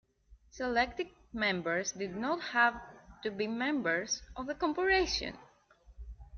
Selected members did not have to be members of the corporation.